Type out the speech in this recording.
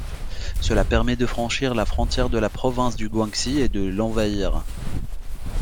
Cela permet de franchir la frontière de la province du Guangxi et de l'envahir.